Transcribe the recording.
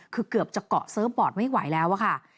คือเกือบจะเกาะเซิร์ฟบอร์ดไม่ไหวแล้วอะค่ะ